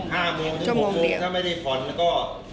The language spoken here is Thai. ห้าโมงถึงหกโมงถ้าไม่ได้ผ่อนก็